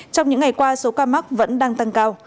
trong những ngày qua số ca mắc vẫn đang tăng cao